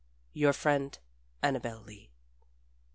YOUR FRIEND ANNABEL LEE.